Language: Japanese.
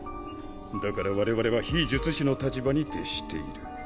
だから我々は非術師の立場に徹している。